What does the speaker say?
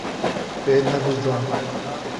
Wê nebizdand.